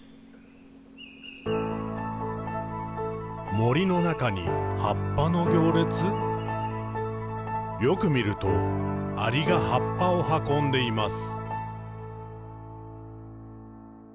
「森の中に、葉っぱの行列」「よく見ると、アリが葉っぱをはこんでいます。」